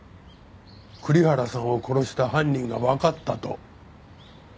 栗原さんを殺した犯人がわかったと。